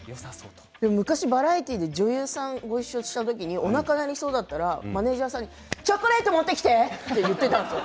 昔、バラエティーで女優さんとごいっしょした時におなか鳴りそうだからマネージャーさんにチョコレート持ってきてって言ってたんです。